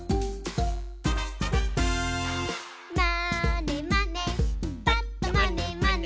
「まーねまねぱっとまねまね」